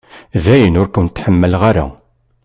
Dayen ur kent-ḥemmleɣ ara.